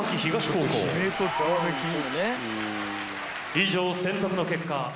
「以上選択の結果」